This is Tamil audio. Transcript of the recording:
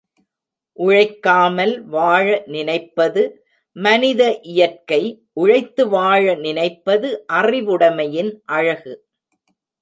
உழைக்காமல் வாழ நினைப்பது மனித இயற்கை உழைத்து வாழ நினைப்பது அறிவுடமை யின் அழகு.